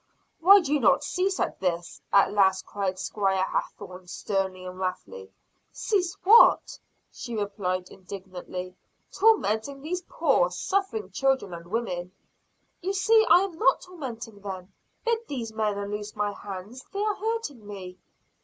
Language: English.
"Why do you not cease this?" at last cried Squire Hathorne, sternly and wrathfully. "Cease what?" she replied indignantly. "Tormenting these poor, suffering children and women!" "You see I am not tormenting them. Bid these men unloose my hands, they are hurting me."